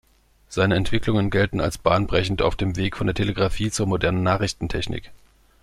Seine Entwicklungen gelten als bahnbrechend auf dem Weg von der Telegrafie zur modernen Nachrichtentechnik.